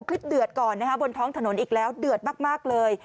เดือดก่อนนะคะบนท้องถนนอีกแล้วเดือดมากเลย